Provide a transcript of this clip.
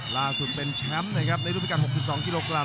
ล่าสุดเป็นแชมป์นะครับในรูปพิการ๖๒กิโลกรั